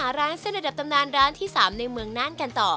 ค้นหาร้านแซ่นอดับตำนานร้านที่๓ในเมืองน่านกันต่อ